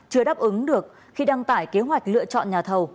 chưa đáp ứng được khi đăng tải kế hoạch lựa chọn nhà thầu